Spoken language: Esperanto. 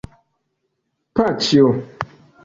Paĉjo!